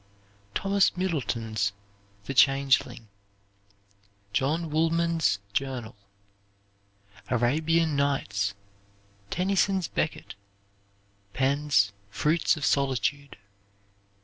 Thomas Middleton's "The Changeling." John Woolman's Journal. "Arabian Nights." Tennyson's "Becket." Penn's "Fruits of Solitude."